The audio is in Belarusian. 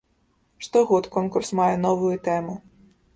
Штогод конкурс мае новую тэму.